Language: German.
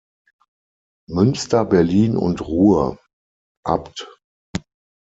Münster, Berlin und Ruhr, Abt.